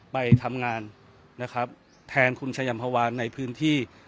ไปทำงานนะครับแทนคุณชายัมภาวานในพื้นที่